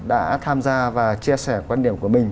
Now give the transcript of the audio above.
đã tham gia và chia sẻ quan điểm của mình